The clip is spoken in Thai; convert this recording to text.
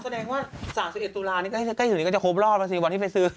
แต่ว่า๓๑ตุลานิกายนี้จะคบรอบน่ะสิว่าที่ไปซื้อ